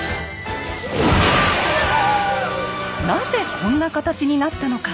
なぜこんな形になったのか。